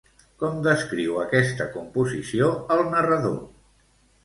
Com descriu aquesta composició el narrador?